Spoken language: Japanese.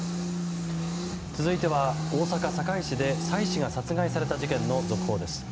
続いては、大阪・堺市で妻子が殺害された事件の続報です。